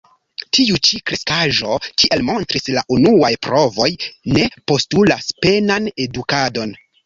Tiu ĉi kreskaĵo, kiel montris la unuaj provoj, ne postulas penan edukadon.